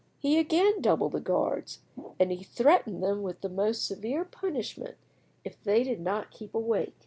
He again doubled the guards, and he threatened them with the most severe punishment if they did not keep awake.